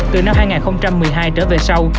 từ năm hai nghìn một mươi hai trở về sau